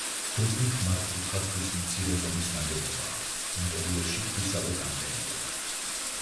გეგმით მართკუთხა ქვის მცირე ზომის ნაგებობაა, ინტერიერში ქვისავე კანკელია.